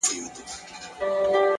د نورو بخښل زړه سپکوي.!